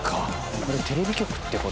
これテレビ局って事？